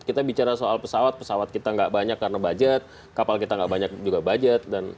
kita bicara soal pesawat pesawat kita nggak banyak karena budget kapal kita nggak banyak juga budget